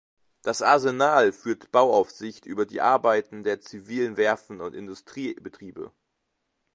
Das Arsenal führt Bauaufsicht über die Arbeiten der zivilen Werften und Industriebetriebe.